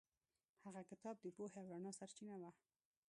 هغه کتاب د پوهې او رڼا سرچینه وه.